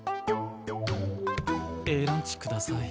Ａランチください。